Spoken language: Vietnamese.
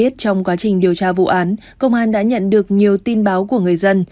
trong quá trình điều tra vụ án công an đã nhận được nhiều tin báo của người dân